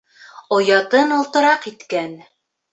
Оятын олтораҡ иткән.